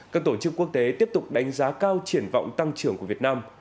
các tổ chức quốc tế tiếp tục đánh giá cao triển vọng tăng trưởng của việt nam